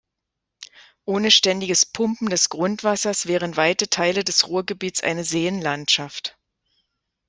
Ohne ständiges Pumpen des Grundwassers wären weite Teile des Ruhrgebiets eine Seenlandschaft.